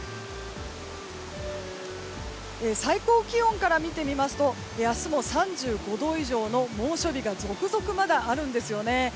最高気温から見てみますと明日も３５度以上の猛暑日が続々あるんですよね。